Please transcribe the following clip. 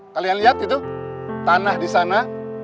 kalian lihat itu tanah di sana